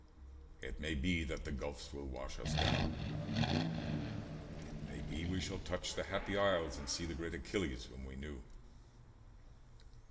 It may be that the gulfs will wash us down: It may be we shall touch the Happy Isles, And see the great Achilles, whom we knew.